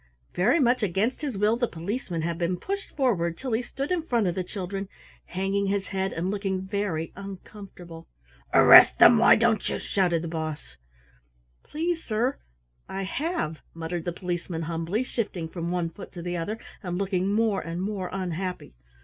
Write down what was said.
Very much against his will the Policeman had been pushed forward till he stood in front of the children, hanging his head and looking very uncomfortable. "Arrest 'em, why don't you?" shouted the Boss. "Please, sorr, Oi have," muttered the Policeman humbly, shifting from one foot to the other and looking more and more unhappy.